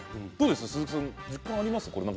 鈴木さん、実感はありますか？